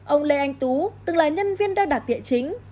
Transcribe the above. ông lê anh tú từng là nhân viên đo đạc địa chính